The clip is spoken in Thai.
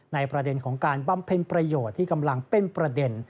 ประเด็นของการบำเพ็ญประโยชน์ที่กำลังเป็นประเด็น